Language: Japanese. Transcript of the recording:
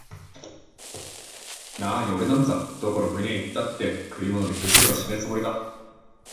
なあにおれなんざ、どこの国へ行ったって食い物に不自由はしねえつもりだ